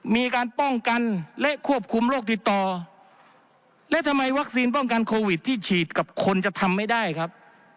มีการป้องกันและควบคุมโรคติดต่อและทำไมวัคซีนป้องกันโควิดที่ฉีดกับคนจะทำไม่ได้ครับ